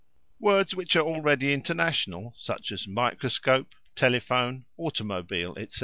Words which are already international, such as "microscope, telephone, automobile", etc.